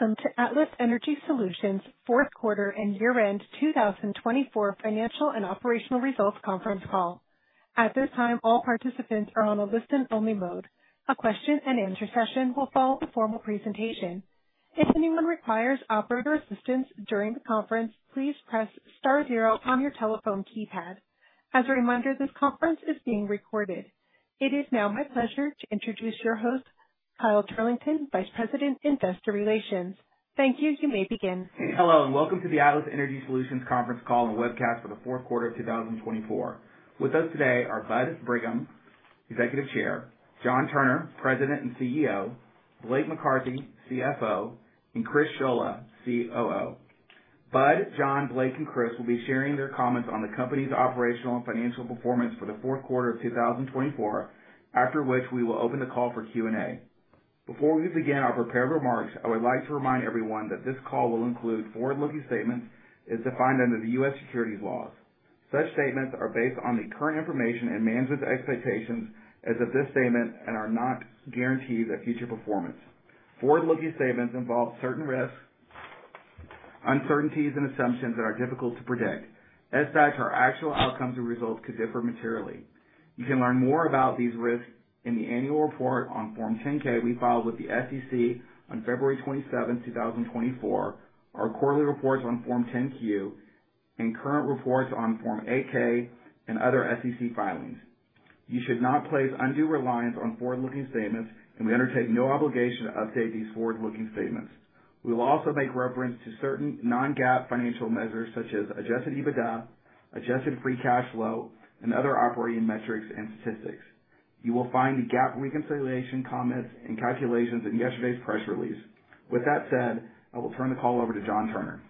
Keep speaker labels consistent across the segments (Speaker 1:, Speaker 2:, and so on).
Speaker 1: Welcome to Atlas Energy Solutions' fourth quarter and year-end 2024 financial and operational results conference call. At this time, all participants are on a listen-only mode. A question-and-answer session will follow a formal presentation. If anyone requires operator assistance during the conference, please press star zero on your telephone keypad. As a reminder, this conference is being recorded. It is now my pleasure to introduce your host, Kyle Turlington, Vice President, Investor Relations. Thank you. You may begin.
Speaker 2: Hello and welcome to the Atlas Energy Solutions Conference Call and Webcast for the fourth quarter of 2024. With us today are Bud Brigham, Executive Chair, John Turner, President and CEO, Blake McCarthy, CFO, and Chris Scholla, COO. Bud, John, Blake, and Chris will be sharing their comments on the company's operational and financial performance for the fourth quarter of 2024, after which we will open the call for Q&A. Before we begin our prepared remarks, I would like to remind everyone that this call will include forward-looking statements as defined under the U.S. securities laws. Such statements are based on the current information and management's expectations as of this statement and are not guarantees of future performance. Forward-looking statements involve certain risks, uncertainties, and assumptions that are difficult to predict, as such our actual outcomes and results could differ materially. You can learn more about these risks in the annual report on Form 10-K we filed with the SEC on February 27, 2024, our quarterly reports on Form 10-Q, and current reports on Form 8-K and other SEC filings. You should not place undue reliance on forward-looking statements, and we undertake no obligation to update these forward-looking statements. We will also make reference to certain non-GAAP financial measures such as Adjusted EBITDA, Adjusted Free Cash Flow, and other operating metrics and statistics. You will find the GAAP reconciliation comments and calculations in yesterday's press release. With that said, I will turn the call over to John Turner.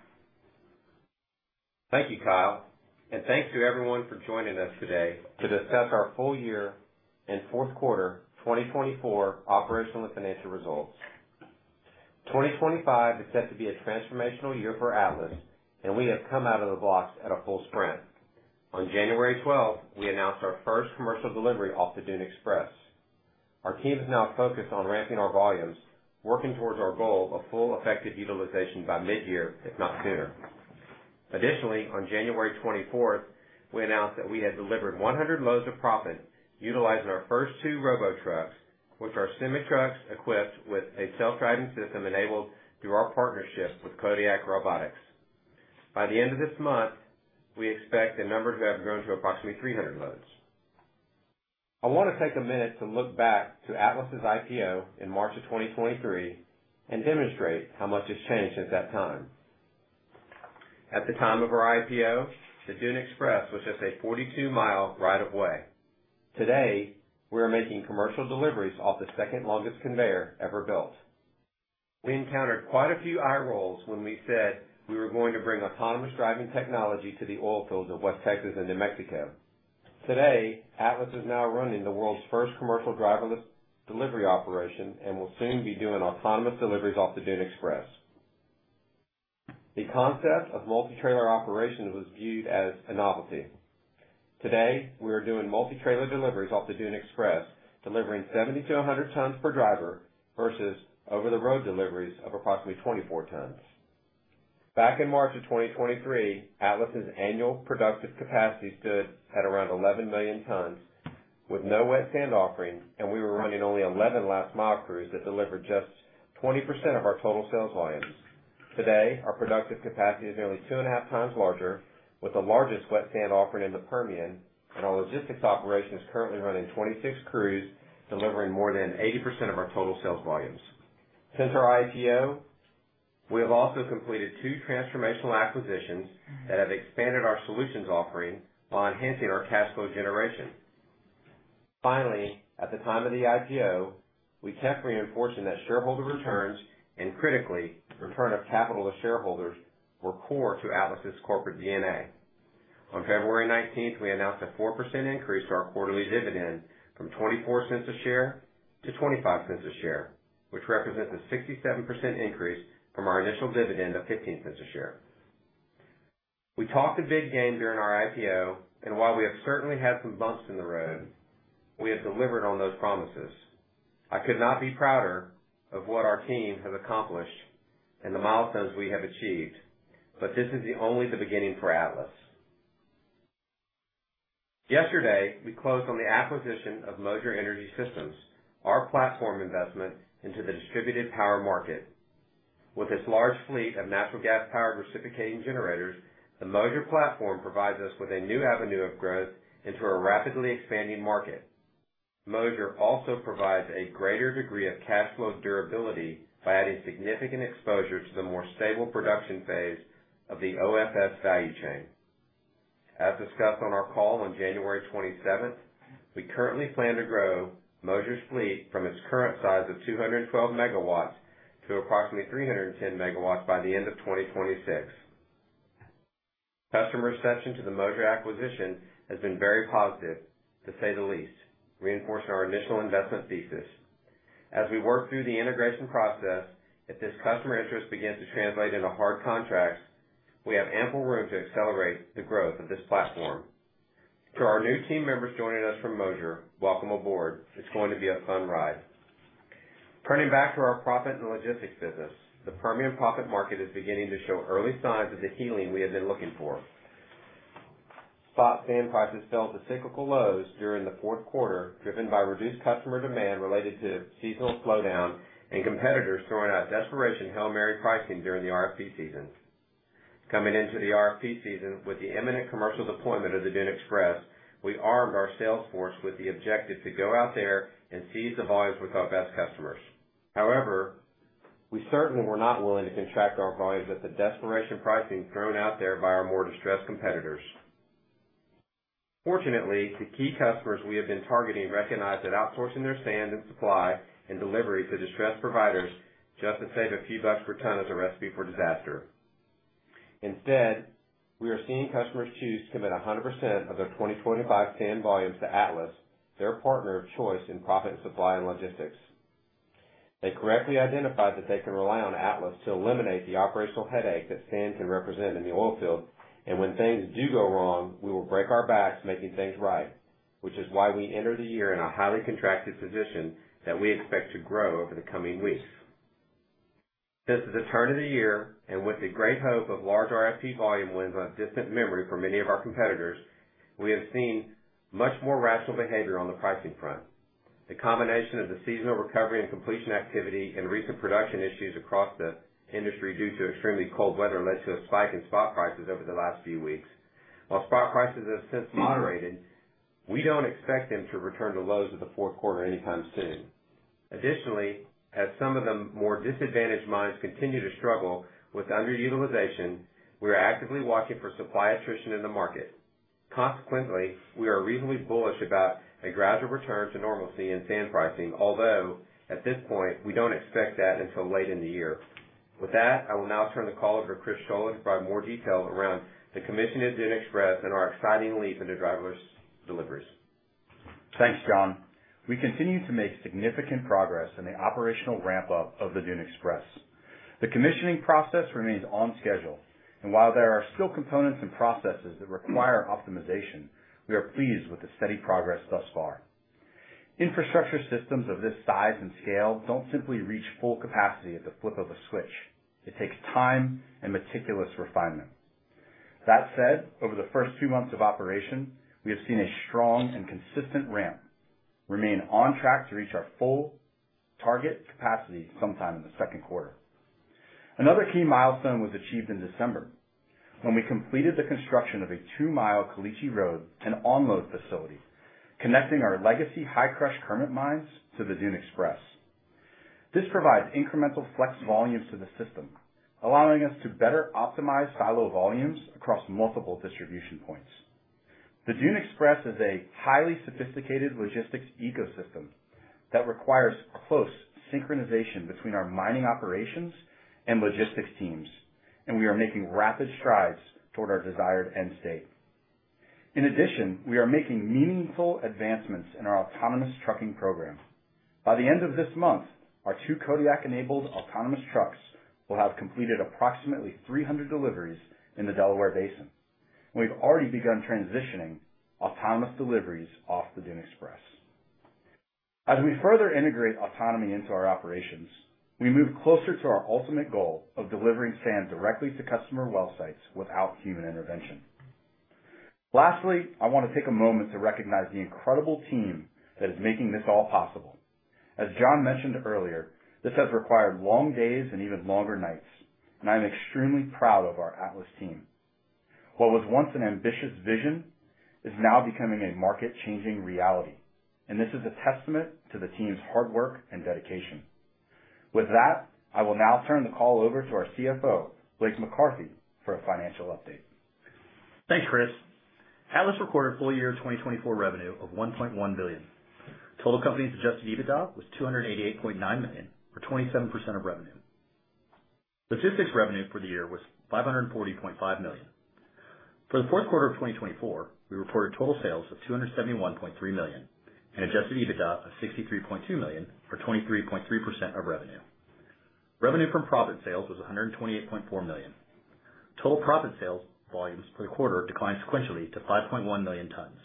Speaker 3: Thank you, Kyle, and thanks to everyone for joining us today to discuss our full year and fourth quarter 2024 operational and financial results. 2025 is set to be a transformational year for Atlas, and we have come out of the box at a full sprint. On January 12, we announced our first commercial delivery off the Dune Express. Our team is now focused on ramping our volumes, working towards our goal of full effective utilization by mid-year, if not sooner. Additionally, on January 24, we announced that we had delivered 100 loads of proppant utilizing our first two robo trucks, which are semi-trucks equipped with a self-driving system enabled through our partnership with Kodiak Robotics. By the end of this month, we expect the number to have grown to approximately 300 loads. I want to take a minute to look back to Atlas' IPO in March of 2023 and demonstrate how much has changed since that time. At the time of our IPO, the Dune Express was just a 42-mile ride away. Today, we are making commercial deliveries off the second-longest conveyor ever built. We encountered quite a few eye rolls when we said we were going to bring autonomous driving technology to the oil fields of West Texas and New Mexico. Today, Atlas is now running the world's first commercial driverless delivery operation and will soon be doing autonomous deliveries off the Dune Express. The concept of multi-trailer operations was viewed as a novelty. Today, we are doing multi-trailer deliveries off the Dune Express, delivering 70-100 tons per driver versus over-the-road deliveries of approximately 24 tons. Back in March of 2023, Atlas' annual productive capacity stood at around 11 million tons, with no wet sand offering, and we were running only 11 last-mile crews that delivered just 20% of our total sales volumes. Today, our productive capacity is nearly two and a half times larger, with the largest wet sand offering in the Permian, and our logistics operation is currently running 26 crews delivering more than 80% of our total sales volumes. Since our IPO, we have also completed two transformational acquisitions that have expanded our solutions offering while enhancing our cash flow generation. Finally, at the time of the IPO, we kept reinforcing that shareholder returns and, critically, return of capital to shareholders were core to Atlas' corporate DNA. On February 19, we announced a 4% increase to our quarterly dividend from $0.24 a share to $0.25 a share, which represents a 67% increase from our initial dividend of $0.15 a share. We talked to Big Game during our IPO, and while we have certainly had some bumps in the road, we have delivered on those promises. I could not be prouder of what our team has accomplished and the milestones we have achieved, but this is only the beginning for Atlas. Yesterday, we closed on the acquisition of Moser Energy Systems, our platform investment into the distributed power market. With its large fleet of natural gas-powered reciprocating generators, the Moser platform provides us with a new avenue of growth into a rapidly expanding market. Moser also provides a greater degree of cash flow durability by adding significant exposure to the more stable production phase of the OFS value chain. As discussed on our call on January 27, we currently plan to grow Moser's fleet from its current size of 212 megawatts to approximately 310 megawatts by the end of 2026. Customer reception to the Moser acquisition has been very positive, to say the least, reinforcing our initial investment thesis. As we work through the integration process, if this customer interest begins to translate into hard contracts, we have ample room to accelerate the growth of this platform. To our new team members joining us from Moser, welcome aboard. It's going to be a fun ride. Turning back to our proppant and logistics business, the Permian proppant market is beginning to show early signs of the healing we have been looking for. Spot sand prices fell to cyclical lows during the fourth quarter, driven by reduced customer demand related to seasonal slowdown and competitors throwing out desperation Hail Mary pricing during the RFP season. Coming into the RFP season with the imminent commercial deployment of the Dune Express, we armed our sales force with the objective to go out there and seize the volumes with our best customers. However, we certainly were not willing to contract our volumes at the desperation pricing thrown out there by our more distressed competitors. Fortunately, the key customers we have been targeting recognized that outsourcing their sand supply and delivery to distressed providers just to save a few bucks per ton is a recipe for disaster. Instead, we are seeing customers choose to commit 100% of their 2025 sand volumes to Atlas, their partner of choice in proppant supply and logistics. They correctly identified that they can rely on Atlas to eliminate the operational headache that sand can represent in the oil field, and when things do go wrong, we will break our backs making things right, which is why we enter the year in a highly contracted position that we expect to grow over the coming weeks. Since the turn of the year and with the great hope of large RFP volume wins now a distant memory for many of our competitors, we have seen much more rational behavior on the pricing front. The combination of the seasonal recovery and completion activity and recent production issues across the industry due to extremely cold weather led to a spike in spot prices over the last few weeks. While spot prices have since moderated, we don't expect them to return to lows of the fourth quarter anytime soon. Additionally, as some of the more disadvantaged mines continue to struggle with underutilization, we are actively watching for supply attrition in the market. Consequently, we are reasonably bullish about a gradual return to normalcy in sand pricing, although at this point, we don't expect that until late in the year. With that, I will now turn the call over to Chris Scholla to provide more details around the commissioning of Dune Express and our exciting leap into driverless deliveries.
Speaker 4: Thanks, John. We continue to make significant progress in the operational ramp-up of the Dune Express. The commissioning process remains on schedule, and while there are still components and processes that require optimization, we are pleased with the steady progress thus far. Infrastructure systems of this size and scale don't simply reach full capacity at the flip of a switch. It takes time and meticulous refinement. That said, over the first two months of operation, we have seen a strong and consistent ramp, remaining on track to reach our full target capacity sometime in the second quarter. Another key milestone was achieved in December when we completed the construction of a two-mile caliche road and onload facility connecting our legacy Hi-Crush Kermit mines to the Dune Express. This provides incremental flex volumes to the system, allowing us to better optimize silo volumes across multiple distribution points. The Dune Express is a highly sophisticated logistics ecosystem that requires close synchronization between our mining operations and logistics teams, and we are making rapid strides toward our desired end state. In addition, we are making meaningful advancements in our autonomous trucking program. By the end of this month, our two Kodiak-enabled autonomous trucks will have completed approximately 300 deliveries in the Delaware Basin, and we've already begun transitioning autonomous deliveries off the Dune Express. As we further integrate autonomy into our operations, we move closer to our ultimate goal of delivering sand directly to customer well sites without human intervention. Lastly, I want to take a moment to recognize the incredible team that is making this all possible. As John mentioned earlier, this has required long days and even longer nights, and I am extremely proud of our Atlas team. What was once an ambitious vision is now becoming a market-changing reality, and this is a testament to the team's hard work and dedication. With that, I will now turn the call over to our CFO, Blake McCarthy, for a financial update.
Speaker 5: Thanks, Chris. Atlas recorded full year 2024 revenue of $1.1 billion. Total company's adjusted EBITDA was $288.9 million, or 27% of revenue. Logistics revenue for the year was $540.5 million. For the fourth quarter of 2024, we reported total sales of $271.3 million and adjusted EBITDA of $63.2 million, or 23.3% of revenue. Revenue from proppant sales was $128.4 million. Total proppant sales volumes for the quarter declined sequentially to 5.1 million tons.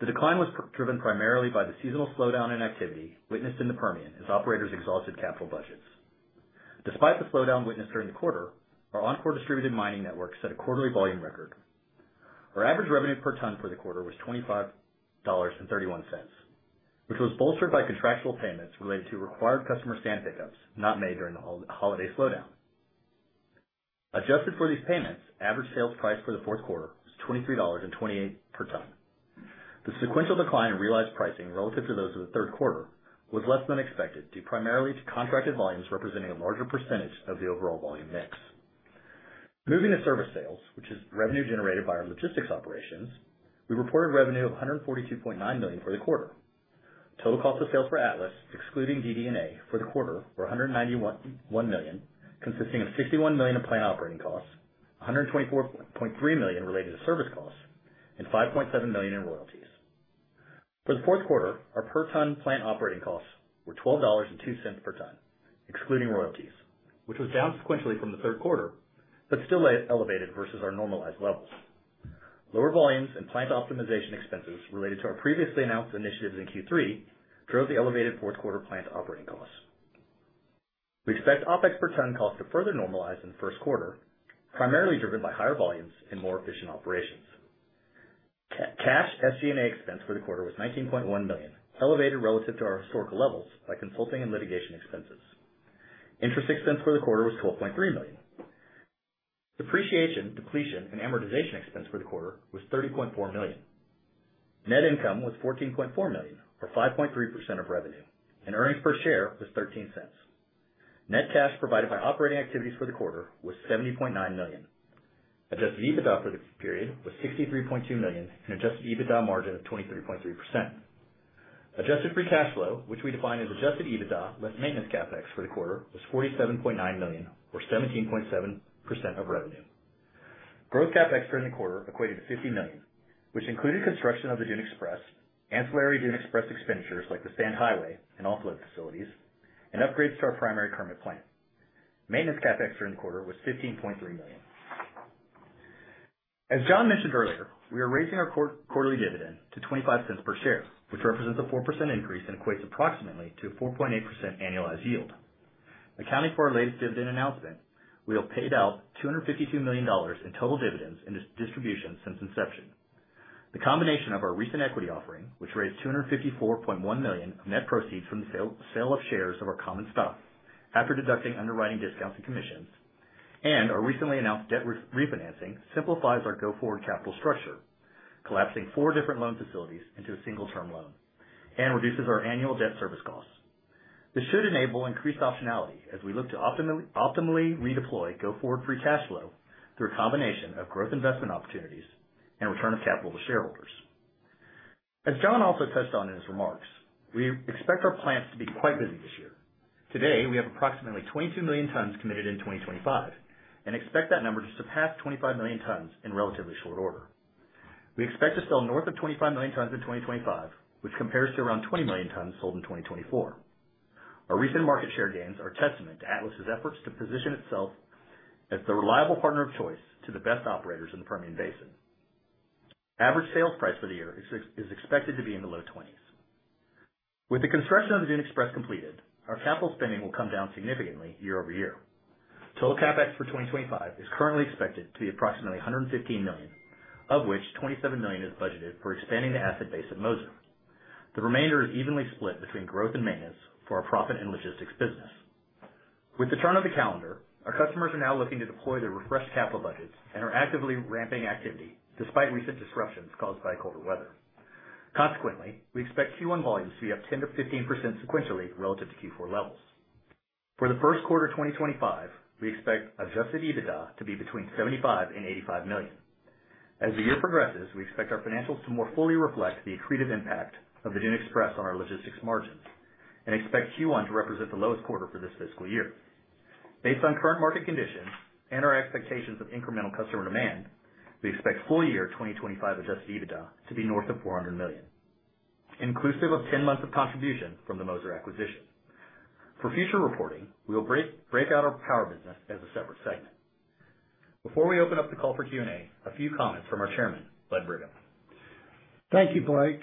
Speaker 5: The decline was driven primarily by the seasonal slowdown in activity witnessed in the Permian as operators exhausted capital budgets. Despite the slowdown witnessed during the quarter, our OnCore distributed mining network set a quarterly volume record. Our average revenue per ton for the quarter was $25.31, which was bolstered by contractual payments related to required customer sand pickups not made during the holiday slowdown. Adjusted for these payments, average sales price for the fourth quarter was $23.28 per ton. The sequential decline in realized pricing relative to those of the third quarter was less than expected due primarily to contracted volumes representing a larger percentage of the overall volume mix. Moving to service sales, which is revenue generated by our logistics operations, we reported revenue of $142.9 million for the quarter. Total cost of sales for Atlas, excluding DD&A for the quarter, were $191 million, consisting of $61 million in plant operating costs, $124.3 million related to service costs, and $5.7 million in royalties. For the fourth quarter, our per ton plant operating costs were $12.02 per ton, excluding royalties, which was down sequentially from the third quarter but still elevated versus our normalized levels. Lower volumes and plant optimization expenses related to our previously announced initiatives in Q3 drove the elevated fourth quarter plant operating costs. We expect OPEX per ton cost to further normalize in the first quarter, primarily driven by higher volumes and more efficient operations. Cash SG&A expense for the quarter was $19.1 million, elevated relative to our historical levels by consulting and litigation expenses. Interest expense for the quarter was $12.3 million. Depreciation, depletion, and amortization expense for the quarter was $30.4 million. Net income was $14.4 million, or 5.3% of revenue, and earnings per share was $0.13. Net cash provided by operating activities for the quarter was $70.9 million. Adjusted EBITDA for the period was $63.2 million and adjusted EBITDA margin of 23.3%. Adjusted free cash flow, which we define as adjusted EBITDA less maintenance CapEx for the quarter, was $47.9 million, or 17.7% of revenue. Growth CapEx during the quarter equated to $50 million, which included construction of the Dune Express, ancillary Dune Express expenditures like the sand highway and offload facilities, and upgrades to our primary Kermit plant. Maintenance CapEx during the quarter was $15.3 million. As John mentioned earlier, we are raising our quarterly dividend to $0.25 per share, which represents a 4% increase and equates approximately to a 4.8% annualized yield. Accounting for our latest dividend announcement, we have paid out $252 million in total dividends and distributions since inception. The combination of our recent equity offering, which raised $254.1 million of net proceeds from the sale of shares of our common stock after deducting underwriting discounts and commissions, and our recently announced debt refinancing simplifies our go-forward capital structure, collapsing four different loan facilities into a single-term loan, and reduces our annual debt service costs. This should enable increased optionality as we look to optimally redeploy go-forward free cash flow through a combination of growth investment opportunities and return of capital to shareholders. As John also touched on in his remarks, we expect our plants to be quite busy this year. Today, we have approximately 22 million tons committed in 2025 and expect that number to surpass 25 million tons in relatively short order. We expect to sell north of 25 million tons in 2025, which compares to around 20 million tons sold in 2024. Our recent market share gains are a testament to Atlas's efforts to position itself as the reliable partner of choice to the best operators in the Permian Basin. Average sales price for the year is expected to be in the low 20s. With the construction of the Dune Express completed, our capital spending will come down significantly year over year. Total CapEx for 2025 is currently expected to be approximately $115 million, of which $27 million is budgeted for expanding the asset base at Moser. The remainder is evenly split between growth and maintenance for our proppant and logistics business. With the turn of the calendar, our customers are now looking to deploy their refreshed capital budgets and are actively ramping activity despite recent disruptions caused by colder weather. Consequently, we expect Q1 volumes to be up 10%-15% sequentially relative to Q4 levels. For the first quarter of 2025, we expect adjusted EBITDA to be between $75 million and $85 million. As the year progresses, we expect our financials to more fully reflect the accretive impact of the Dune Express on our logistics margins and expect Q1 to represent the lowest quarter for this fiscal year. Based on current market conditions and our expectations of incremental customer demand, we expect full year 2025 Adjusted EBITDA to be north of $400 million, inclusive of 10 months of contribution from the Moser acquisition. For future reporting, we will break out our power business as a separate segment. Before we open up the call for Q&A, a few comments from our chairman, Bud Brigham. Thank you, Blake.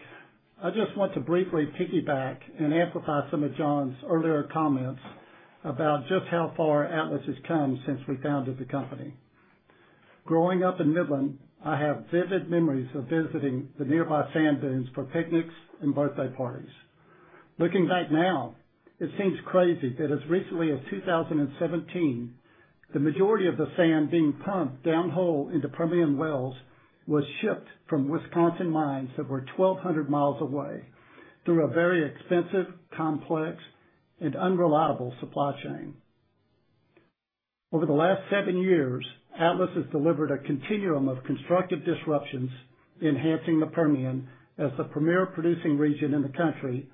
Speaker 5: I just want to briefly piggyback and amplify some of John's earlier comments about just how far Atlas has come since we founded the company. Growing up in Midland, I have vivid memories of visiting the nearby sand dunes for picnics and birthday parties. Looking back now, it seems crazy that as recently as 2017, the majority of the sand being pumped down hole into Permian wells was shipped from Wisconsin mines that were 1,200 miles away through a very expensive, complex, and unreliable supply chain. Over the last seven years, Atlas has delivered a continuum of constructive disruptions, enhancing the Permian as the premier producing region in the country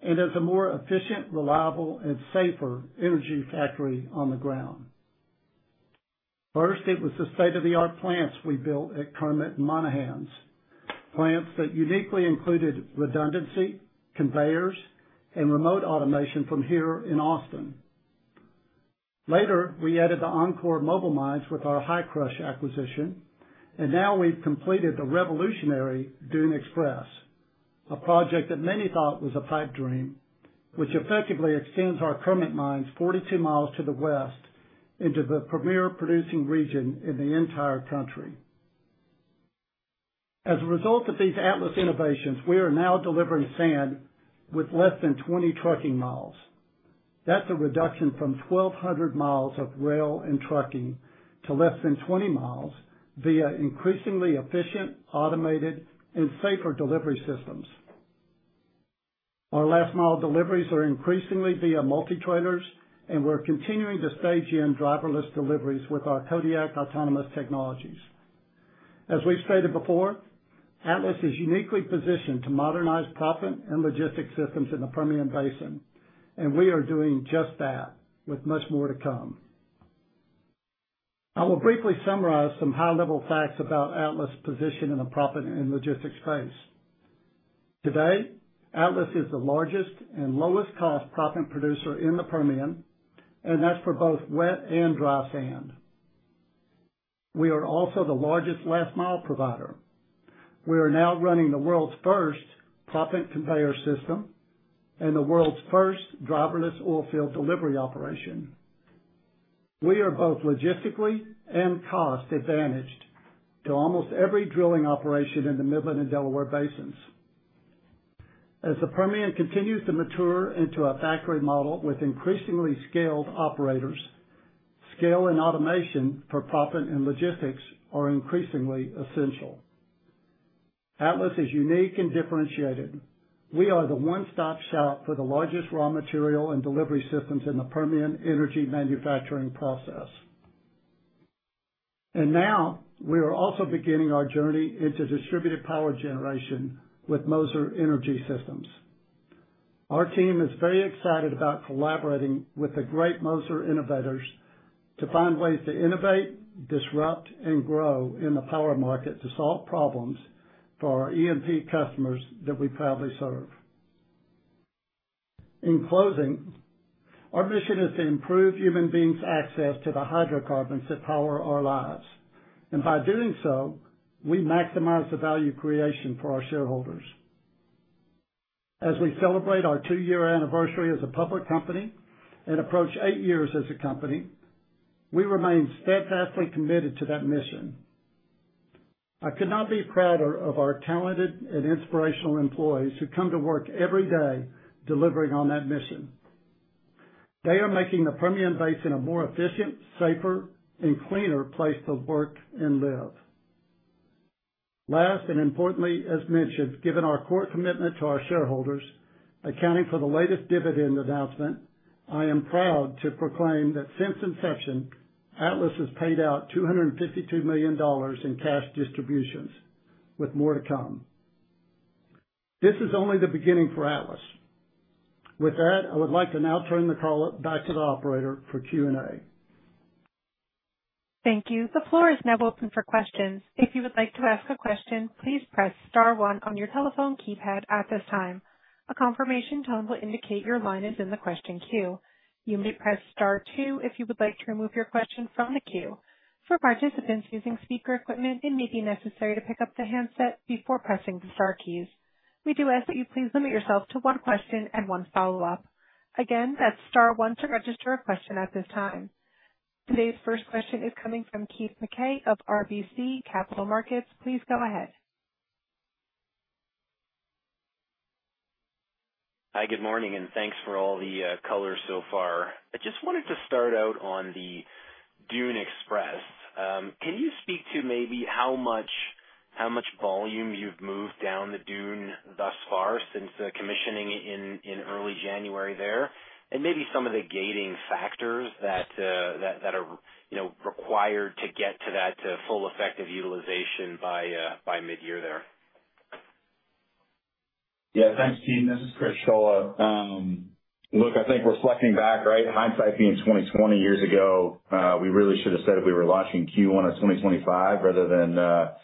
Speaker 5: and as a more efficient, reliable, and safer energy factory on the ground. First, it was the state-of-the-art plants we built at Kermit and Monahans, plants that uniquely included redundancy, conveyors, and remote automation from here in Austin. Later, we added the OnCore mobile mines with our Hi-Crush acquisition, and now we've completed the revolutionary Dune Express, a project that many thought was a pipe dream, which effectively extends our Kermit mines 42 miles to the west into the premier producing region in the entire country. As a result of these Atlas innovations, we are now delivering sand with less than 20 trucking miles. That's a reduction from 1,200 miles of rail and trucking to less than 20 miles via increasingly efficient, automated, and safer delivery systems. Our last-mile deliveries are increasingly via multi-trailers, and we're continuing to stage in driverless deliveries with our Kodiak autonomous technologies. As we've stated before, Atlas is uniquely positioned to modernize proppant and logistics systems in the Permian Basin, and we are doing just that with much more to come. I will briefly summarize some high-level facts about Atlas's position in the proppant and logistics space. Today, Atlas is the largest and lowest-cost proppant producer in the Permian, and that's for both wet and dry sand. We are also the largest last-mile provider. We are now running the world's first proppant conveyor system and the world's first driverless oil field delivery operation. We are both logistically and cost-advantaged to almost every drilling operation in the Midland and Delaware Basins. As the Permian continues to mature into a factory model with increasingly skilled operators, scale and automation for proppant and logistics are increasingly essential. Atlas is unique and differentiated. We are the one-stop shop for the largest raw material and delivery systems in the Permian energy manufacturing process. And now we are also beginning our journey into distributed power generation with Moser Energy Systems. Our team is very excited about collaborating with the great Moser innovators to find ways to innovate, disrupt, and grow in the power market to solve problems for our E&P customers that we proudly serve. In closing, our mission is to improve human beings' access to the hydrocarbons that power our lives, and by doing so, we maximize the value creation for our shareholders. As we celebrate our two-year anniversary as a public company and approach eight years as a company, we remain steadfastly committed to that mission. I could not be prouder of our talented and inspirational employees who come to work every day delivering on that mission. They are making the Permian Basin a more efficient, safer, and cleaner place to work and live. Last, and importantly, as mentioned, given our core commitment to our shareholders, accounting for the latest dividend announcement, I am proud to proclaim that since inception, Atlas has paid out $252 million in cash distributions, with more to come. This is only the beginning for Atlas. With that, I would like to now turn the call back to the operator for Q&A.
Speaker 1: Thank you. The floor is now open for questions. If you would like to ask a question, please press Star 1 on your telephone keypad at this time. A confirmation tone will indicate your line is in the question queue. You may press Star 2 if you would like to remove your question from the queue. For participants using speaker equipment, it may be necessary to pick up the handset before pressing the Star keys. We do ask that you please limit yourself to one question and one follow-up. Again, that's Star 1 to register a question at this time. Today's first question is coming from Keith Mackay of RBC Capital Markets. Please go ahead.
Speaker 6: Hi, good morning, and thanks for all the colors so far. I just wanted to start out on the Dune Express. Can you speak to maybe how much volume you've moved down the dune thus far since commissioning in early January there, and maybe some of the gating factors that are required to get to that full effective utilization by midyear there?
Speaker 4: Yeah, thanks, team. This is Chris Scholla. Look, I think reflecting back, right, hindsight being 20, 20 years ago, we really should have said if we were launching Q1 of 2025 rather than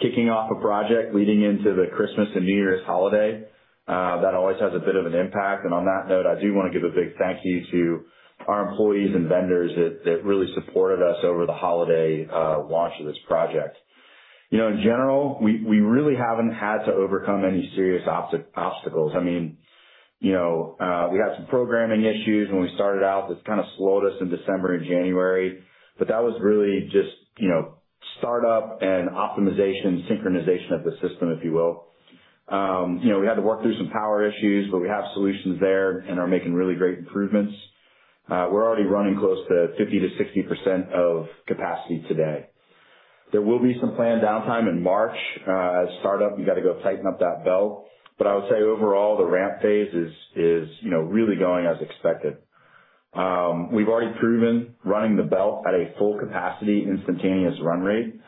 Speaker 4: kicking off a project leading into the Christmas and New Year's holiday. That always has a bit of an impact. And on that note, I do want to give a big thank you to our employees and vendors that really supported us over the holiday launch of this project. In general, we really haven't had to overcome any serious obstacles. I mean, we had some programming issues when we started out that kind of slowed us in December and January, but that was really just startup and optimization, synchronization of the system, if you will. We had to work through some power issues, but we have solutions there and are making really great improvements. We're already running close to 50%-60% of capacity today. There will be some planned downtime in March as startup. You got to go tighten up that belt. But I would say overall, the ramp phase is really going as expected. We've already proven running the belt at a full capacity instantaneous run rate.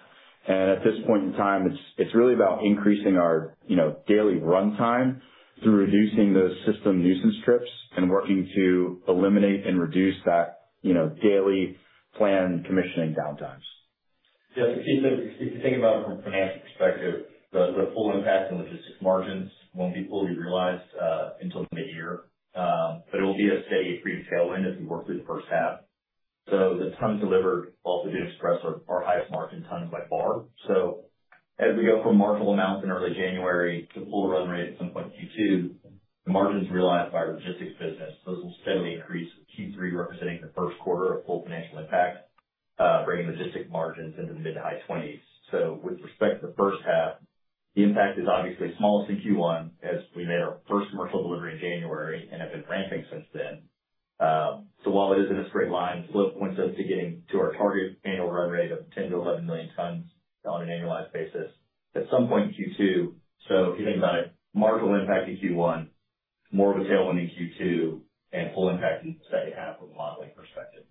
Speaker 4: And at this point in time, it's really about increasing our daily run time through reducing those system nuisance trips and working to eliminate and reduce that daily planned commissioning downtimes.
Speaker 5: Yeah, if you think about it from a financial perspective, the full impact and logistics margins won't be fully realized until midyear, but it will be a steady accretive tailwind as we work through the first half. So the tons delivered off the Dune Express are our highest margin tons by far. So as we go from marginal amounts in early January to full run rate at some point in Q2, the margins realized by our logistics business, those will steadily increase. Q3 representing the first quarter of full financial impact, bringing logistics margins into the mid- to high-20s. So with respect to the first half, the impact is obviously smallest in Q1 as we made our first commercial delivery in January and have been ramping since then. So while it isn't a straight line, the flow points us to getting to our target annual run rate of 10-11 million tons on an annualized basis at some point in Q2. So if you think about it, marginal impact in Q1, more of a tailwind in Q2, and full impact in the second half from a modeling perspective.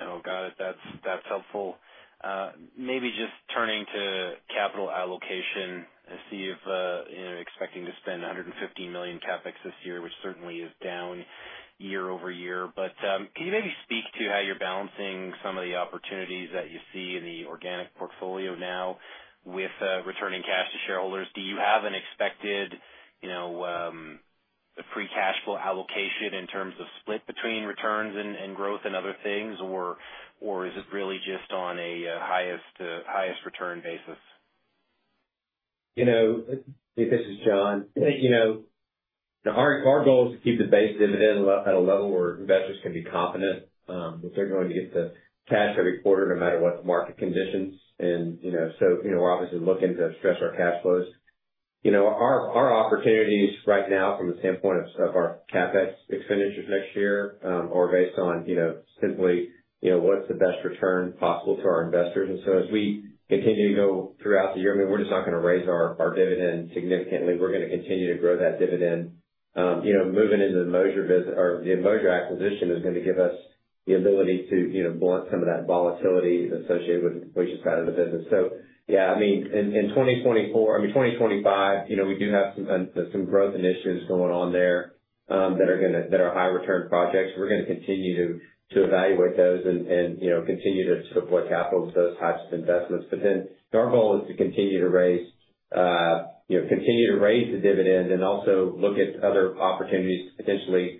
Speaker 6: Oh, got it. That's helpful. Maybe just turning to capital allocation to see if expecting to spend 150 million CapEx this year, which certainly is down year over year. But can you maybe speak to how you're balancing some of the opportunities that you see in the organic portfolio now with returning cash to shareholders? Do you have an expected free cash flow allocation in terms of split between returns and growth and other things, or is it really just on a highest return basis?
Speaker 3: This is John. Our goal is to keep the base dividend at a level where investors can be confident that they're going to get the cash every quarter no matter what the market conditions. And so we're obviously looking to stress our cash flows. Our opportunities right now from the standpoint of our CapEx expenditures next year are based on simply what's the best return possible to our investors. And so as we continue to go throughout the year, I mean, we're just not going to raise our dividend significantly. We're going to continue to grow that dividend. Moving into the Moser acquisition is going to give us the ability to blunt some of that volatility associated with the completion side of the business. So yeah, I mean, in 2024, I mean, 2025, we do have some growth initiatives going on there that are high return projects. We're going to continue to evaluate those and continue to deploy capital to those types of investments. But then our goal is to continue to raise, continue to raise the dividend and also look at other opportunities to potentially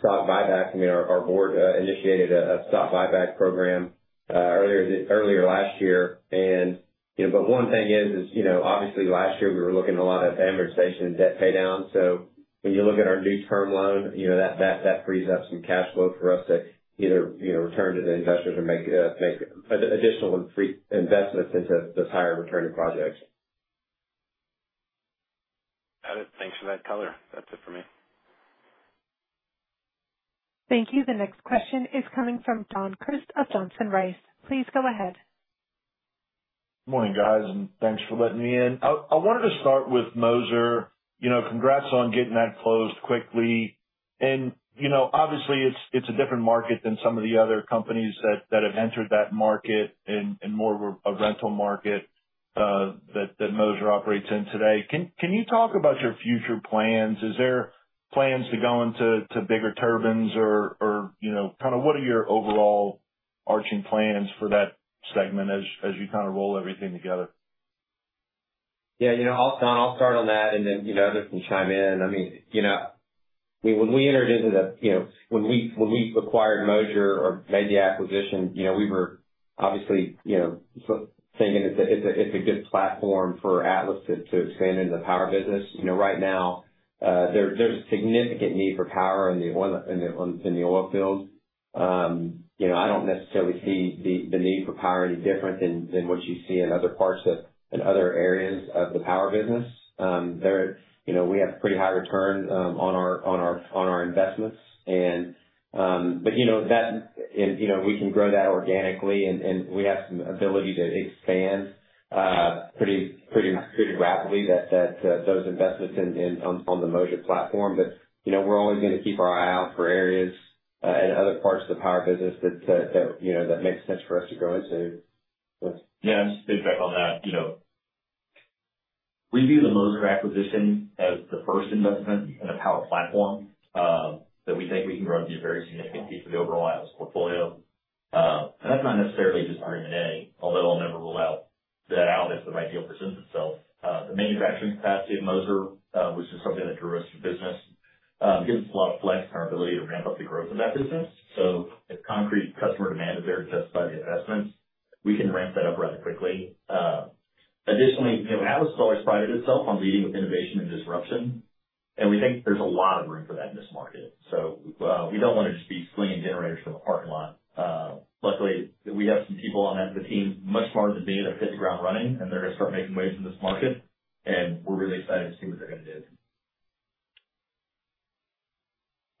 Speaker 3: stock buyback. I mean, our board initiated a stock buyback program earlier last year. But one thing is, obviously, last year we were looking at a lot of amortization and debt paydown. So when you look at our new term loan, that frees up some cash flow for us to either return to the investors or make additional investments into those higher returning projects.
Speaker 6: Got it. Thanks for that color. That's it for me.
Speaker 1: Thank you. The next question is coming from Don Crist of Johnson Rice. Please go ahead.
Speaker 7: Morning, guys, and thanks for letting me in. I wanted to start with Moser. Congrats on getting that closed quickly. And obviously, it's a different market than some of the other companies that have entered that market and more of a rental market that Moser operates in today. Can you talk about your future plans? Is there plans to go into bigger turbines or kind of what are your overall overarching plans for that segment as you kind of roll everything together?
Speaker 5: Yeah, Don, I'll start on that, and then others can chime in. I mean, when we acquired Moser or made the acquisition, we were obviously thinking it's a good platform for Atlas to expand into the power business. Right now, there's a significant need for power in the oil fields. I don't necessarily see the need for power any different than what you see in other parts and other areas of the power business. We have pretty high returns on our investments. But we can grow that organically, and we have some ability to expand pretty rapidly those investments on the Moser platform. But we're always going to keep our eye out for areas and other parts of the power business that make sense for us to grow into. Yeah, just to piggyback on that, we view the Moser acquisition as the first investment in a power platform that we think we can grow to be a very significant piece of the overall Atlas portfolio. And that's not necessarily just our M&A, although I'll never rule out that another is the right deal for itself. The manufacturing capacity of Moser was just something that drew us to the business. It gives us a lot of flex in our ability to ramp up the growth of that business. So if concrete customer demand is there to justify the investments, we can ramp that up rather quickly. Additionally, Atlas has prided itself on leading with innovation and disruption, and we think there's a lot of room for that in this market. So we don't want to just be slinging generators from a parking lot. Luckily, we have some people on the team much smarter than me that are hit the ground running, and they're going to start making waves in this market, and we're really excited to see what they're going to do.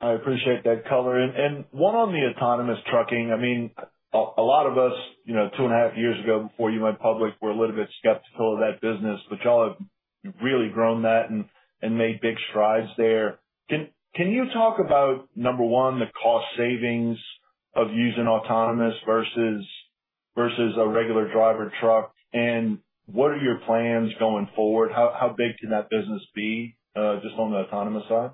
Speaker 7: I appreciate that color. And one on the autonomous trucking. I mean, a lot of us two and a half years ago before you went public were a little bit skeptical of that business, but y'all have really grown that and made big strides there. Can you talk about, number one, the cost savings of using autonomous versus a regular driver truck? And what are your plans going forward? How big can that business be just on the autonomous side?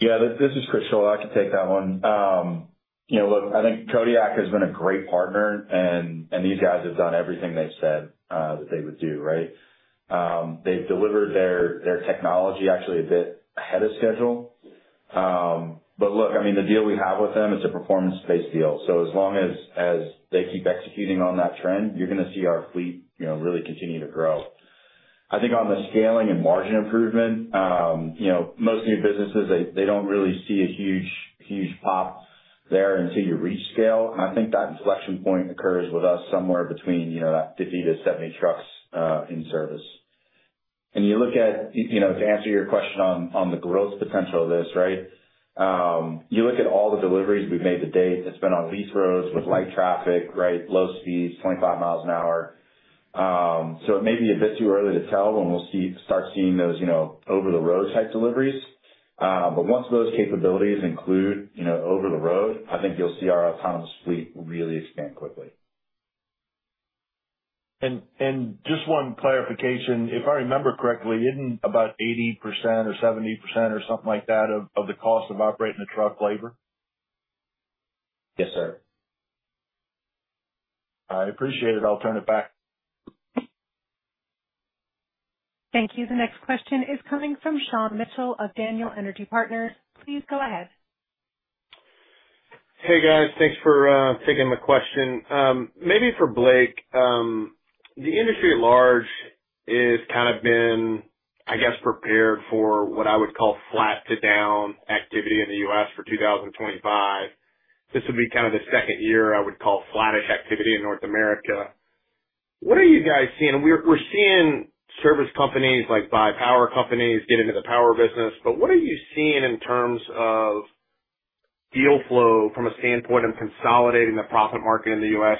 Speaker 4: Yeah, this is Chris Scholla. I can take that one. Look, I think Kodiak has been a great partner, and these guys have done everything they've said that they would do, right? They've delivered their technology actually a bit ahead of schedule. But look, I mean, the deal we have with them is a performance-based deal. So as long as they keep executing on that trend, you're going to see our fleet really continue to grow. I think on the scaling and margin improvement, most new businesses, they don't really see a huge pop there until you reach scale. And I think that inflection point occurs with us somewhere between 50-70 trucks in service. And you look at, to answer your question on the growth potential of this, right? You look at all the deliveries we've made to date. It's been on lease roads with light traffic, right? Low speeds, 25 miles an hour. So it may be a bit too early to tell when we'll start seeing those over-the-road type deliveries. But once those capabilities include over-the-road, I think you'll see our autonomous fleet really expand quickly.
Speaker 7: Just one clarification. If I remember correctly, isn't about 80% or 70% or something like that of the cost of operating the truck labor?
Speaker 4: Yes, sir.
Speaker 7: I appreciate it. I'll turn it back.
Speaker 1: Thank you. The next question is coming from Sean Mitchell of Daniel Energy Partners. Please go ahead.
Speaker 6: Hey, guys. Thanks for taking my question. Maybe for Blake, the industry at large has kind of been, I guess, prepared for what I would call flat to down activity in the U.S. for 2025. This would be kind of the second year I would call flattish activity in North America. What are you guys seeing? We're seeing service companies like buyout companies get into the power business, but what are you seeing in terms of deal flow from a standpoint of consolidating the proppant market in the U.S.?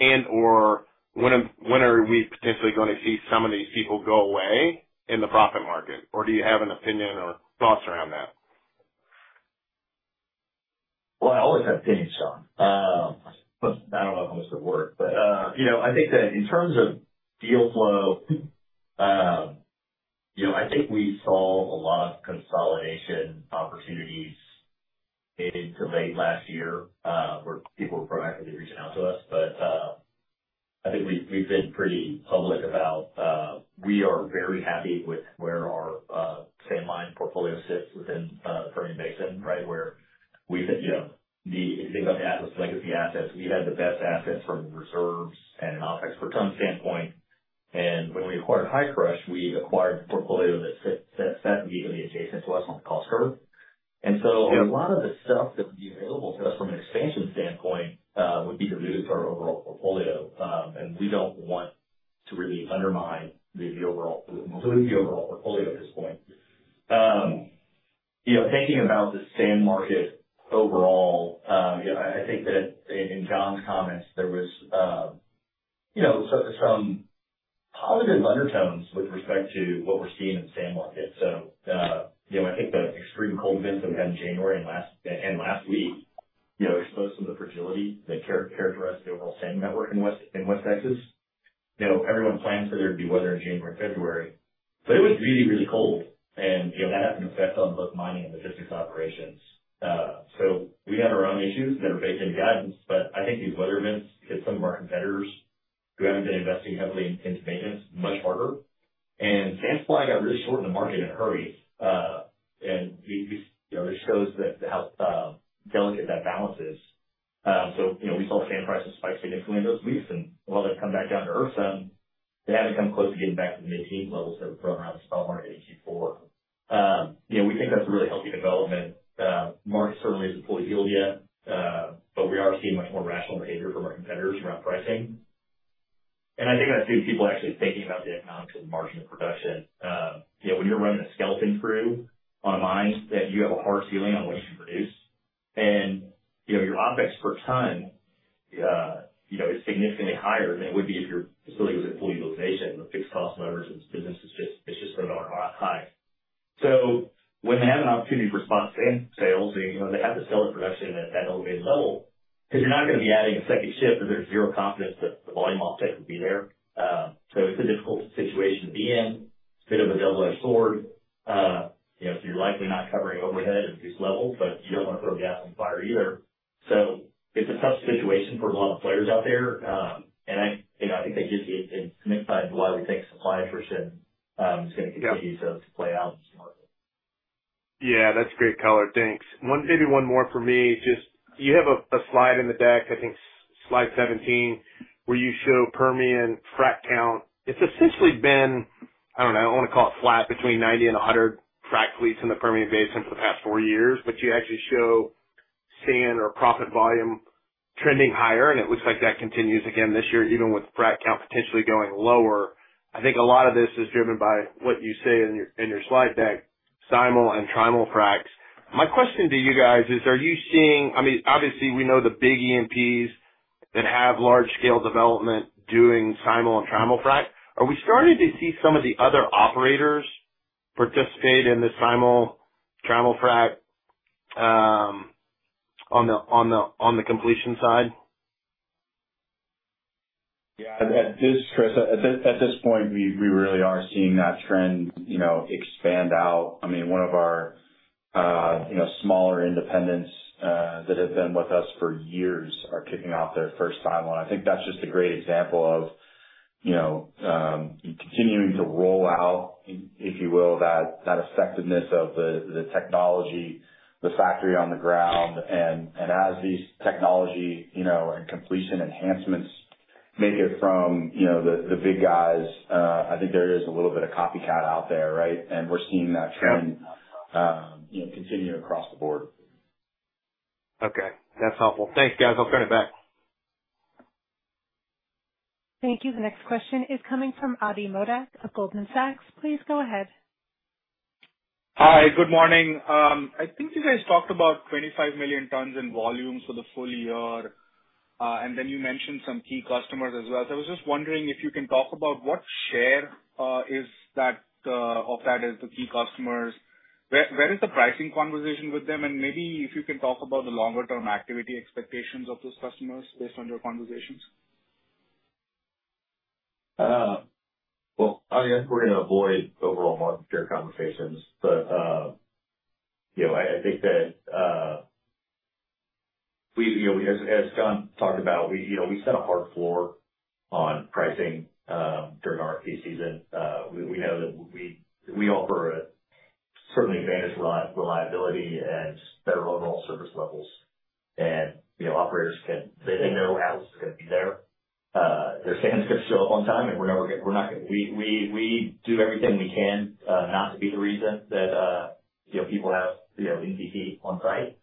Speaker 6: And/or when are we potentially going to see some of these people go away in the proppant market? Or do you have an opinion or thoughts around that?
Speaker 5: I always have opinions, Sean. I don't know if I'm supposed to speak, but I think that in terms of deal flow, I think we saw a lot of consolidation opportunities into late last year where people were proactively reaching out to us. But I think we've been pretty public about we are very happy with where our sand mine portfolio sits within the Permian Basin, right? Where we think if you think about the Atlas legacy assets, we had the best assets from reserves and an offtake per ton standpoint. you have a hard ceiling on what you can produce. And your OpEx per ton is significantly higher than it would be if your facility was in full utilization. The fixed cost leverage of this business is just going to go higher. So when they have an opportunity for spot sand sales, they have to sell the production at that elevated level because you're not going to be adding a second shift if there's zero confidence that the volume offset will be there. So it's a difficult situation to be in. It's a bit of a double-edged sword. So you're likely not covering overhead at this level, but you don't want to throw gas on fire either. So it's a tough situation for a lot of players out there. And I think that gives you a clear insight into why we think supply attrition is going to continue to play out in this market.
Speaker 6: Yeah, that's great color. Thanks. Maybe one more for me. Just you have a slide in the deck, I think slide 17, where you show Permian frac count. It's essentially been, I don't know, I want to call it flat between 90 and 100 frac fleets in the Permian Basin for the past four years, but you actually show sand or proppant volume trending higher. And it looks like that continues again this year, even with frac count potentially going lower. I think a lot of this is driven by what you say in your slide deck, simul-frac and trimul-frac. My question to you guys is, are you seeing, I mean, obviously, we know the big E&Ps that have large-scale development doing simul-frac and trimul-frac. Are we starting to see some of the other operators participate in the simul-frac trimul-frac on the completion side?
Speaker 4: Yeah. At this point, we really are seeing that trend expand out. I mean, one of our smaller independents that have been with us for years are kicking off their first simul. I think that's just a great example of continuing to roll out, if you will, that effectiveness of the technology, the factory on the ground, and as these technology and completion enhancements make it from the big guys, I think there is a little bit of copycat out there, right, and we're seeing that trend continue across the board.
Speaker 6: Okay. That's helpful. Thanks, guys. I'll turn it back.
Speaker 1: Thank you. The next question is coming from Adi Modak of Goldman Sachs. Please go ahead.
Speaker 8: Hi. Good morning. I think you guys talked about 25 million tons in volume for the full year. And then you mentioned some key customers as well. So I was just wondering if you can talk about what share of that is the key customers. Where is the pricing conversation with them? And maybe if you can talk about the longer-term activity expectations of those customers based on your conversations.
Speaker 4: I guess we're going to avoid overall market share conversations, but I think that, as John talked about, we set a hard floor on pricing during our peak season. We know that we offer a certainly advantaged reliability and better overall service levels. And operators, they know Atlas is going to be there. Their sand's going to show up on time, and we're not going to. We do everything we can not to be the reason that people have NPT on site.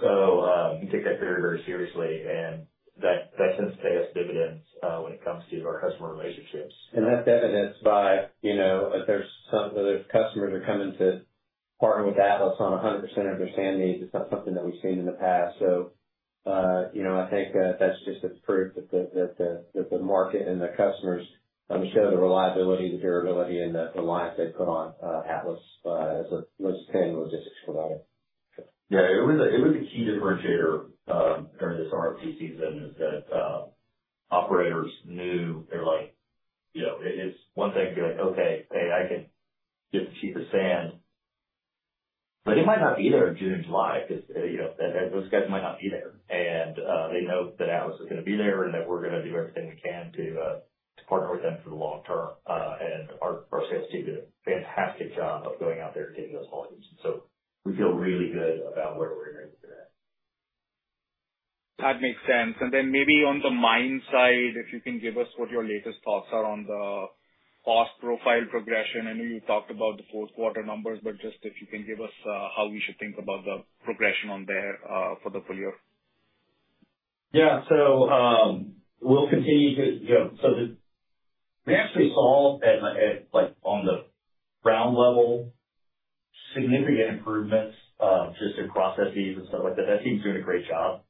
Speaker 4: So we take that very, very seriously. And that tends to pay us dividends when it comes to our customer relationships. That's evidenced by if there's customers that are coming to partner with Atlas on 100% of their sand needs, it's not something that we've seen in the past. So I think that's just a proof that the market and the customers show the reliability, the durability, and the reliance they put on Atlas as a logistics provider.
Speaker 5: Yeah. It was a key differentiator during this RFP season is that operators knew they're like, it's one thing to be like, "Okay, hey, I can get the cheapest sand," but it might not be there in June and July because those guys might not be there. And they know that Atlas is going to be there and that we're going to do everything we can to partner with them for the long term. And our sales team did a fantastic job of going out there and getting those volumes. And so we feel really good about where we're going to be today.
Speaker 8: That makes sense. And then maybe on the mine side, if you can give us what your latest thoughts are on the cost profile progression. I know you talked about the fourth quarter numbers, but just if you can give us how we should think about the progression on there for the full year.
Speaker 4: Yeah. So we'll continue to so we actually saw on the ground level significant improvements just in processes and stuff like that. That team's doing a great job.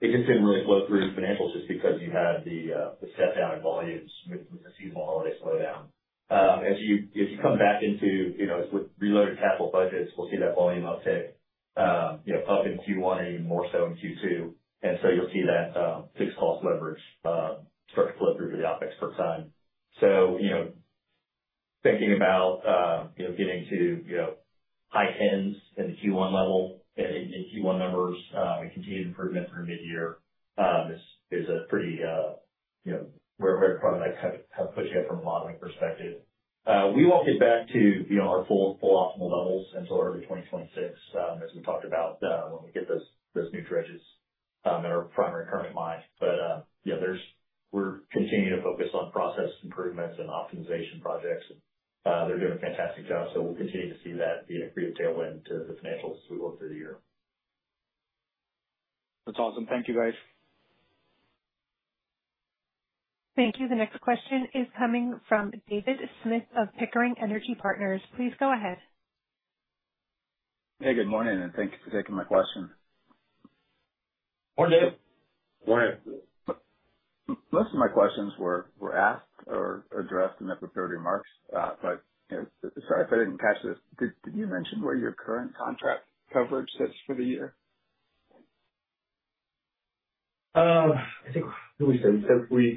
Speaker 4: It just didn't really flow through financials just because you had the step-down in volumes with the seasonal holiday slowdown. As you come back into with reloaded capital budgets, we'll see that volume uptick up in Q1 and even more so in Q2. And so you'll see that fixed cost leverage start to flow through for the off-expert time. So thinking about getting to high teens in the Q1 level and Q1 numbers and continued improvement through mid-year is a pretty fair part of that kind of helps push you from a modeling perspective. We won't get back to our full optimal levels until early 2026, as we talked about when we get those new dredges at our primary Kermit mine. But we're continuing to focus on process improvements and optimization projects. They're doing a fantastic job. So we'll continue to see that be a great tailwind to the financials as we work through the year.
Speaker 8: That's awesome. Thank you, guys.
Speaker 1: Thank you. The next question is coming from David Smith of Pickering Energy Partners. Please go ahead.
Speaker 9: Hey, good morning, and thank you for taking my question.
Speaker 4: Morning, David. Morning.
Speaker 9: Most of my questions were asked or addressed in the prepared remarks. But sorry if I didn't catch this. Did you mention where your current contract coverage sits for the year?
Speaker 3: I think we said we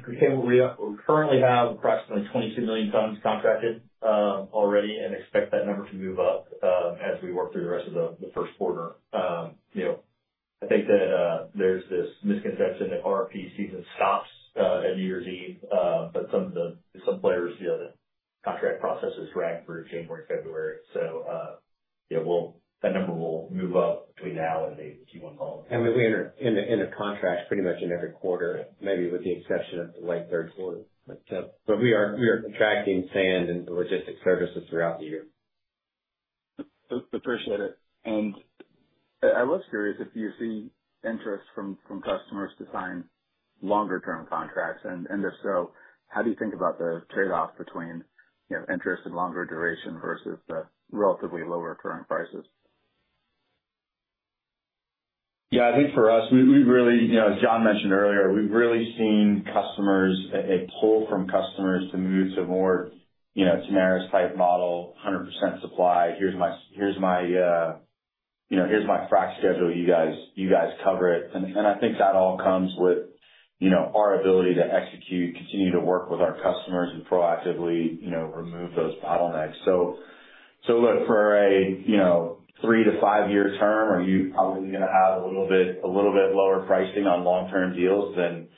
Speaker 3: currently have approximately 22 million tons contracted already and expect that number to move up as we work through the rest of the first quarter. I think that there's this misconception that RFP season stops at New Year's Eve, but some players' contract processes drag through January, February. So that number will move up between now and the Q1 following.
Speaker 5: We enter into contracts pretty much in every quarter, maybe with the exception of the late third quarter. We are contracting sand and logistics services throughout the year.
Speaker 9: Appreciate it. And I was curious if you see interest from customers to sign longer-term contracts. And if so, how do you think about the trade-off between interest and longer duration versus the relatively lower current prices?
Speaker 3: Yeah. I think for us, we really, as John mentioned earlier, we've really seen a pull from customers to move to more turnkey-type model, 100% supply. Here's my frac schedule. You guys cover it. And I think that all comes with our ability to execute, continue to work with our customers, and proactively remove those bottlenecks. So look, for a three- to five-year term, are you probably going to have a little bit lower pricing on long-term deals than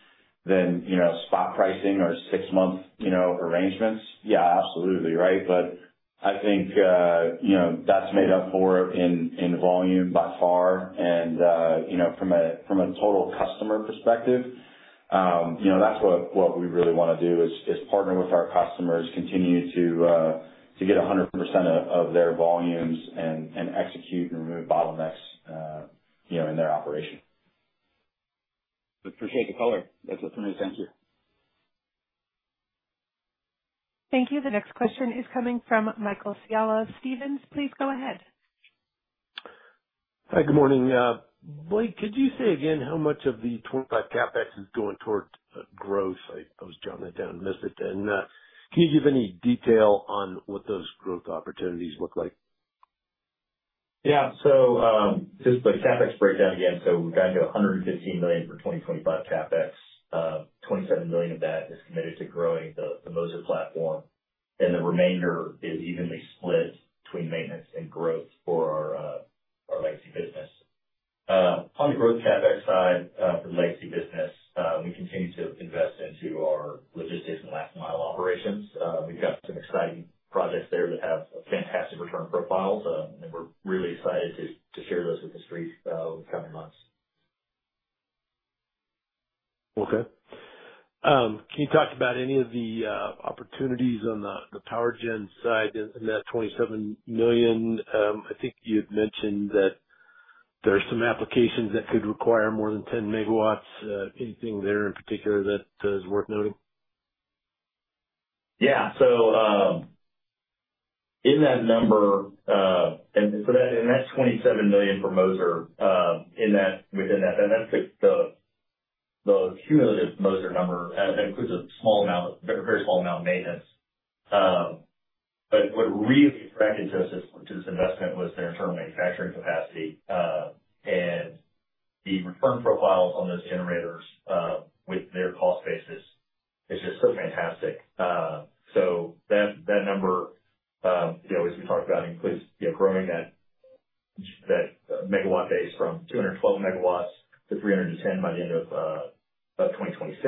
Speaker 3: spot pricing or six-month arrangements? Yeah, absolutely, right? But I think that's made up for it in volume by far. And from a total customer perspective, that's what we really want to do is partner with our customers, continue to get 100% of their volumes, and execute and remove bottlenecks in their operation.
Speaker 9: Appreciate the color. That's it for me. Thank you.
Speaker 1: Thank you. The next question is coming from Michael Scialla of Stephens. Please go ahead.
Speaker 10: Hi. Good morning. Blake, could you say again how much of the 25 CapEx is going toward growth? I was jotting it down and missed it. And can you give any detail on what those growth opportunities look like?
Speaker 5: Yeah. So just the CapEx breakdown again. So we've gotten to $115 million for 2025 CapEx. $27 million of that is committed to growing the Moser platform. And the remainder is evenly split between maintenance and growth for our legacy business. On the growth CapEx side for the legacy business, we continue to invest into our logistics and last-mile operations. We've got some exciting projects there that have a fantastic return profile. And we're really excited to share those with the street over the coming months.
Speaker 10: Okay. Can you talk about any of the opportunities on the power gen side in that $27 million? I think you had mentioned that there are some applications that could require more than 10 megawatts. Anything there in particular that is worth noting?
Speaker 5: Yeah. So in that number, and that $27 million for Moser within that, that's the cumulative Moser number. That includes a small amount, a very small amount of maintenance. But what really struck into this investment was their internal manufacturing capacity. And the return profiles on those generators with their cost basis is just so fantastic. So that number, as we talked about, includes growing that megawatt base from 212 megawatts to 310 by the end of 2026.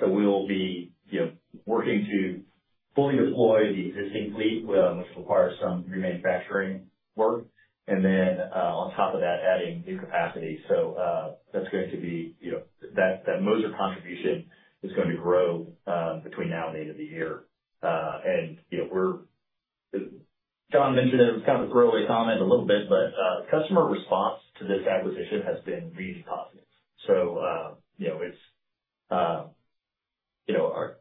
Speaker 5: So we'll be working to fully deploy the existing fleet, which requires some remanufacturing work. And then on top of that, adding new capacity. So that's going to be that Moser contribution is going to grow between now and the end of the year. And John mentioned it was kind of a throwaway comment a little bit, but customer response to this acquisition has been really positive. So our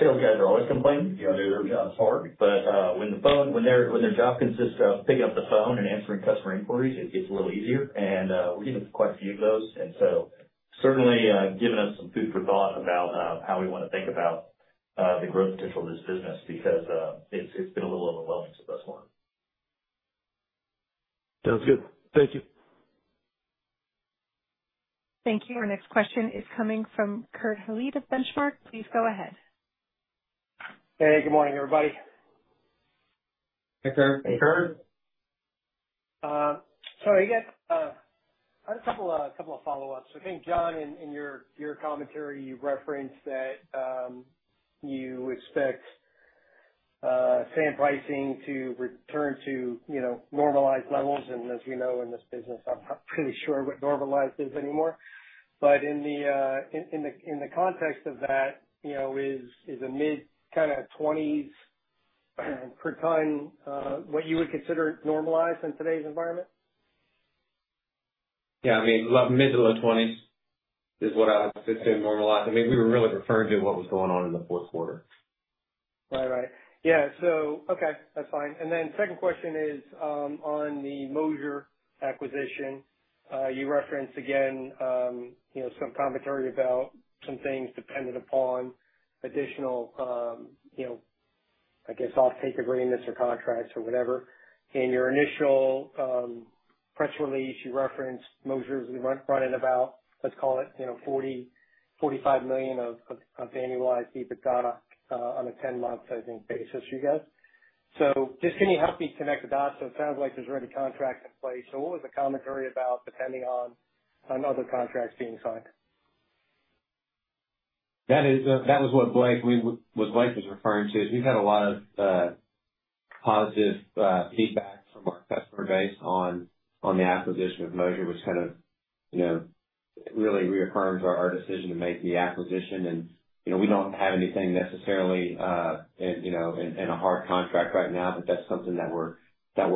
Speaker 5: sales guys are always complaining. They're hard. But when their job consists of picking up the phone and answering customer inquiries, it gets a little easier. And we're getting quite a few of those. And so certainly given us some food for thought about how we want to think about the growth potential of this business because it's been a little overwhelming to us.
Speaker 10: Sounds good. Thank you.
Speaker 1: Thank you. Our next question is coming from Kurt Hallead of Benchmark. Please go ahead.
Speaker 11: Hey, good morning, everybody.
Speaker 3: Hey, Kurt.
Speaker 12: Hey, Kurt.
Speaker 11: So I got a couple of follow-ups. I think John, in your commentary, you referenced that you expect sand pricing to return to normalized levels. And as we know in this business, I'm not really sure what normalized is anymore. But in the context of that, is a mid-20s per ton what you would consider normalized in today's environment?
Speaker 3: Yeah. I mean, middle of 20s is what I would consider normalized. I mean, we were really referring to what was going on in the fourth quarter.
Speaker 11: Right, right. Yeah. So okay. That's fine. And then second question is on the Moser acquisition. You referenced again some commentary about some things dependent upon additional, I guess, off-take agreements or contracts or whatever. In your initial press release, you referenced Moser's running about, let's call it, $40-45 million of annualized EBITDA on a 10-month, I think, basis, you guys. So just can you help me connect the dots? So it sounds like there's already contracts in place. So what was the commentary about depending on other contracts being signed?
Speaker 3: That was what Blake was referring to. We've had a lot of positive feedback from our customer base on the acquisition of Moser, which kind of really reaffirms our decision to make the acquisition. And we don't have anything necessarily in a hard contract right now, but that's something that we're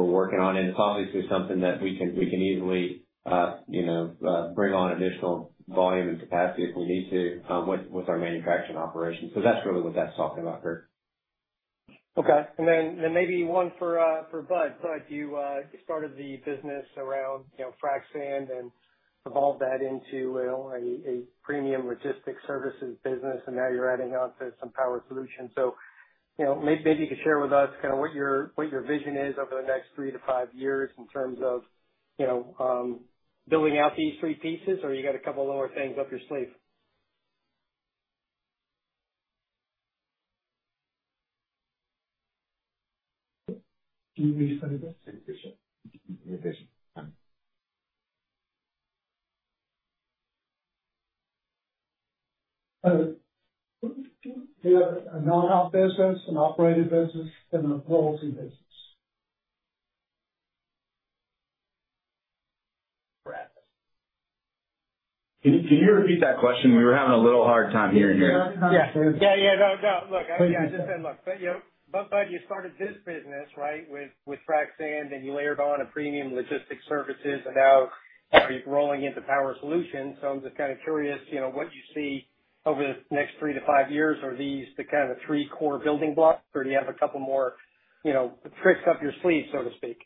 Speaker 3: working on. And it's obviously something that we can easily bring on additional volume and capacity if we need to with our manufacturing operations. So that's really what that's talking about, Kurt.
Speaker 11: Okay. And then maybe one for Bud. Bud, you started the business around frac sand and evolved that into a premium logistics services business. And now you're adding on to some power solutions. So maybe you could share with us kind of what your vision is over the next three to five years in terms of building out these three pieces, or you got a couple of other things up your sleeve?
Speaker 12: Can you read some of this? You can read the vision.
Speaker 3: Do you have a non-op business, an operated business, and an royalty business? Can you repeat that question? We were having a little hard time hearing you.
Speaker 11: Look, I just said, look, Bud, you started this business, right, with frac sand, and you layered on a premium logistics services, and now you're rolling into power solutions, so I'm just kind of curious what you see over the next three to five years. Are these the kind of three core building blocks, or do you have a couple more tricks up your sleeve, so to speak?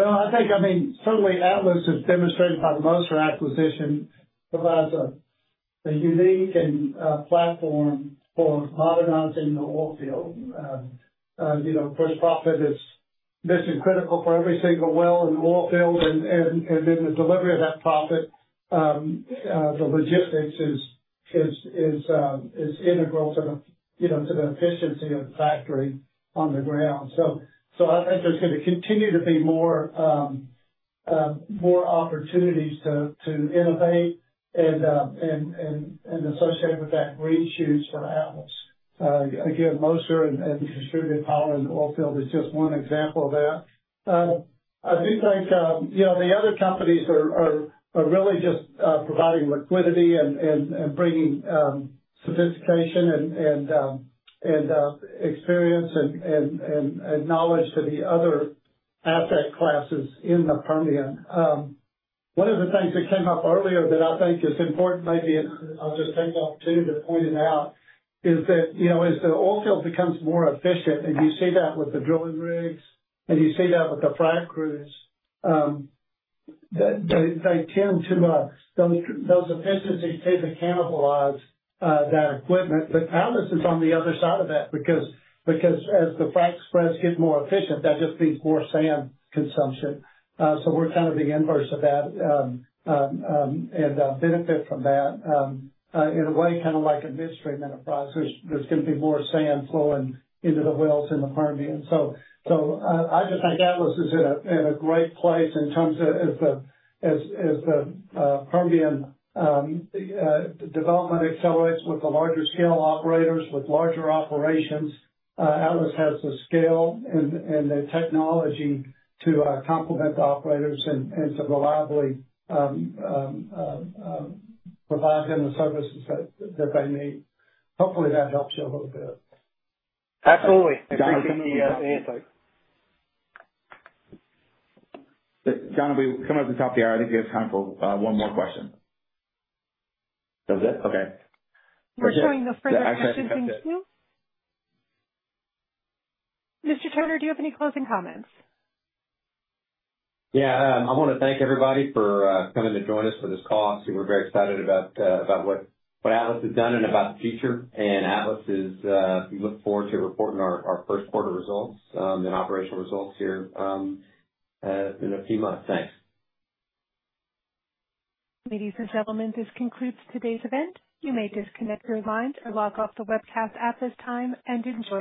Speaker 4: I think, I mean, certainly Atlas has demonstrated by the Moser acquisition provides a unique platform for modernizing the oil field. Of course, proppant is mission critical for every single well in the oil field. And then the delivery of that proppant, the logistics is integral to the efficiency of the factory on the ground. So I think there's going to continue to be more opportunities to innovate and associate with those green shoots for Atlas. Again, Moser and distributed power in the oil field is just one example of that. I do think the other companies are really just providing liquidity and bringing sophistication and experience and knowledge to the other asset classes in the Permian. One of the things that came up earlier that I think is important, maybe I'll just take the opportunity to point it out, is that as the oil field becomes more efficient, and you see that with the drilling rigs, and you see that with the frac crews, those efficiencies tend to cannibalize that equipment. But Atlas is on the other side of that because as the frac spreads get more efficient, that just means more sand consumption. So we're kind of the inverse of that and benefit from that in a way kind of like a midstream enterprise. There's going to be more sand flowing into the wells in the Permian. So I just think Atlas is in a great place in terms of as the Permian development accelerates with the larger scale operators, with larger operations, Atlas has the scale and the technology to complement the operators and to reliably provide them the services that they need. Hopefully, that helps you a little bit.
Speaker 11: Absolutely. Thank you for the answer. John, if we come up to the top of the hour, I think we have time for one more question. That was it? Okay.
Speaker 1: We're showing the further questions into. Mr. Turner, do you have any closing comments?
Speaker 3: Yeah. I want to thank everybody for coming to join us for this call. We're very excited about what Atlas has done and about the future, and we look forward to reporting our first quarter results and operational results here in a few months. Thanks.
Speaker 1: Ladies and gentlemen, this concludes today's event. You may disconnect your lines or log off the webcast at this time and enjoy.